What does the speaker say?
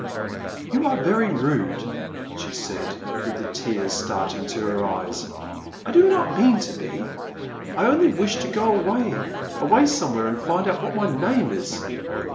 You are very rude," she said, with the tears starting to her eyes. I do not mean to be. I only wish to go away — away somewhere and find out what my name is.